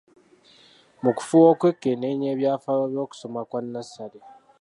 Mu kufuba okwekenneenya ebyafaayo by’okusoma kwa nnassale.